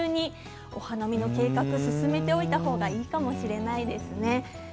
お花見の計画を進めておいた方がいいかもしれないですね。